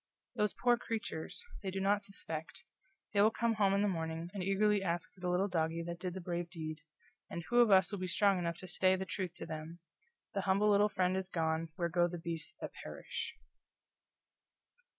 "Those poor creatures! They do not suspect. They will come home in the morning, and eagerly ask for the little doggie that did the brave deed, and who of us will be strong enough to say the truth to them: 'The humble little friend is gone where go the beasts that perish.'"